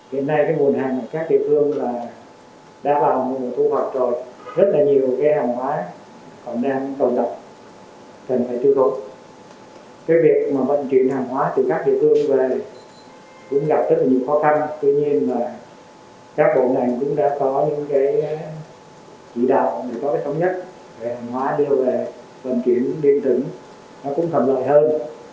các cửa hàng đưa về cũng gặp rất nhiều khó khăn tuy nhiên các bộ này cũng đã có những cái chỉ đạo để có cái thống nhất về hành hóa đưa về phần chuyển điên tửng nó cũng thần lợi hơn